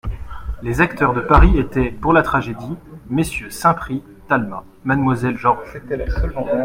Les acteurs de Paris étaient, pour la tragédie : MMonsieur Saint-Prix, Talma ; Mademoiselle Georges.